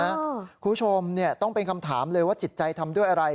คุณผู้ชมเนี่ยต้องเป็นคำถามเลยว่าจิตใจทำด้วยอะไร